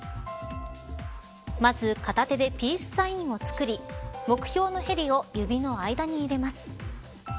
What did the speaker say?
まず、片手でピースサインを作り目標のヘリを指の間に入れます。